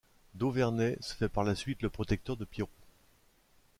D'Auverney se fait par suite le protecteur de Pierrot.